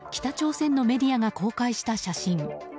今朝、北朝鮮のメディアが公開した写真。